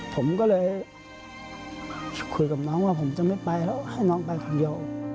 ผมก็เลยคุยกับน้องว่าผมจะไม่ไปแล้วให้น้องไปคนเดียว